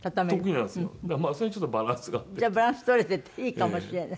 じゃあバランス取れてていいかもしれない。